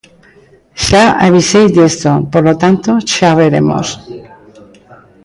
Xa avisei disto, polo tanto, xa veremos.